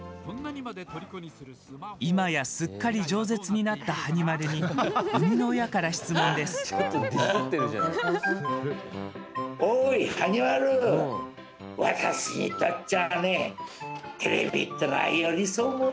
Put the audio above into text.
今や、すっかりじょう舌になったはに丸に生みの親から質問です。はにゃ！